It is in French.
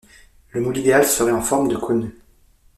Le moule idéal serait en forme de cône.